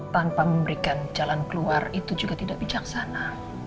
tanpa memberikan jalan keluar itu juga tidak bijaksana